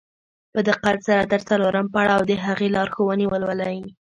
په دقت سره تر څلورم پړاوه د هغې لارښوونې ولولئ.